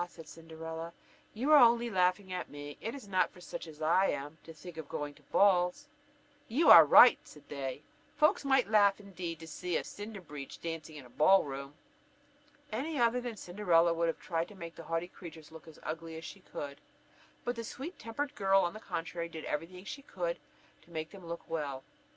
replied Cinderella, "you are only laughing at me, it is not for such as I am to think of going to balls." "You are in the right," said they, "folks might laugh indeed, to see a Cinderbreech dancing in a ball room." Any other than Cinderella would have tried to make the haughty creatures look as ugly as she could; but the sweet tempered girl on the contrary, did every thing she could think of to make them look well.